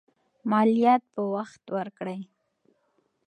مالیات په وخت ورکړئ.